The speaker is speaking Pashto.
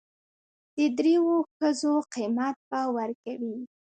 د درېو ښځو قيمت به ور کوي.